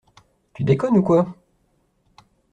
Tu déconnes ou quoi?